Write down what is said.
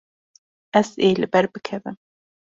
Ez ê li ber bikevim.